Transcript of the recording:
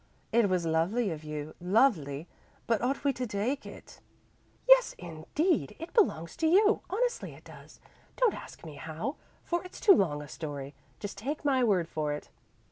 It was lovely of you lovely but ought we to take it?" "Yes, indeed. It belongs to you; honestly it does. Don't ask me how, for it's too long a story. Just take my word for it."